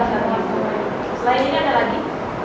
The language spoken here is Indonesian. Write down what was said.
selain ini ada lagi